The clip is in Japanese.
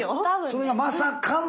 それがまさかの！